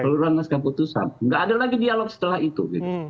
tidak ada lagi dialog setelah itu